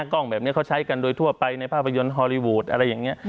กล้องแบบนี้เขาใช้กันโดยทั่วไปในภาพยนตร์ฮอลลีวูดอะไรอย่างนี้